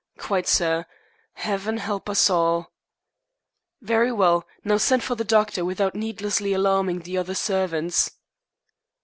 "Quite, sir. Heaven help us all." "Very well. Now send for the doctor, without needlessly alarming the other servants."